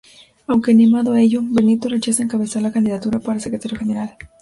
Aunque animado a ello, Benito rechaza encabezar la candidatura para secretario general.